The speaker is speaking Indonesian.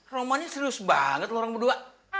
romanya serius banget loh orang berdua